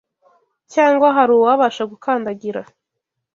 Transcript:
Cyangwa hari uwabasha gukandagira